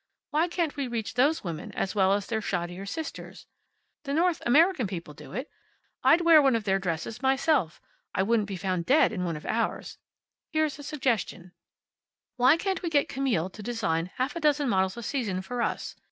Why can't we reach those women, as well as their shoddier sisters? The North American people do it. I'd wear one of their dresses myself. I wouldn't be found dead in one of ours. Here's a suggestion: "Why can't we get Camille to design half a dozen models a season for us?